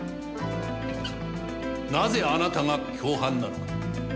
なぜあなたが共犯なのか。